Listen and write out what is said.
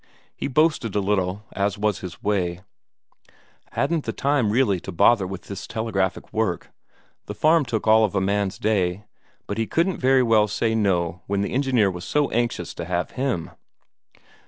He boasted a little, as was his way: hadn't the time really to bother with this telegraphic work, the farm took all of a man's day but he couldn't very well say no when the engineer was so anxious to have him.